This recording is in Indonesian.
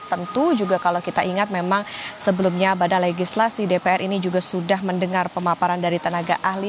tentu juga kalau kita ingat memang sebelumnya badan legislasi dpr ini juga sudah mendengar pemaparan dari tenaga ahli